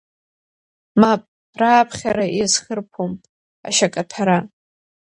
Мап, рааԥхьара иазхырԥом ашьакаҭәара.